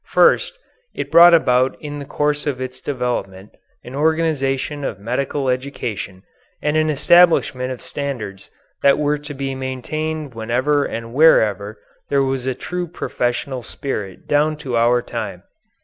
First it brought about in the course of its development an organization of medical education, and an establishment of standards that were to be maintained whenever and wherever there was a true professional spirit down to our own time.